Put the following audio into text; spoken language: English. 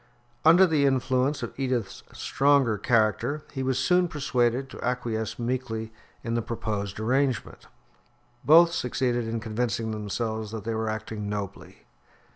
Under the influence of Edith's stronger character he was soon persuaded to acquiesce meekly in the proposed arrangement. Both succeeded in convincing themselves that they were acting nobly.